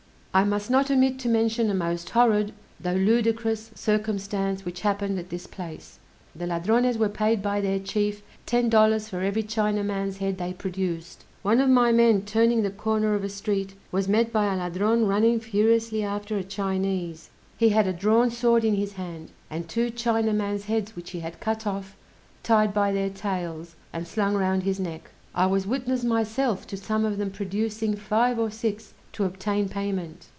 I must not omit to mention a most horrid (though ludicrous) circumstance which happened at this place. The Ladrones were paid by their chief ten dollars for every Chinaman's head they produced. One of my men turning the corner of a street was met by a Ladrone running furiously after a Chinese; he had a drawn sword in his hand, and two Chinaman's heads which he had cut off, tied by their tails, and slung round his neck. I was witness myself to some of them producing five or six to obtain payment!